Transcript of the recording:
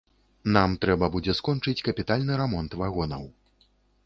Нам трэба будзе скончыць капітальны рамонт вагонаў.